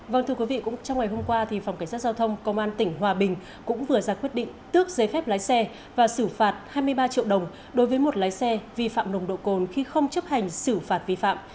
vâng thưa quý vị cũng trong ngày hôm qua thì phòng cảnh sát giao thông công an tỉnh hòa bình cũng vừa ra quyết định tước giấy phép lái xe và xử phạt hai mươi ba triệu đồng đối với một lái xe vi phạm nồng độ cồn khi không chấp hành xử phạt vi phạm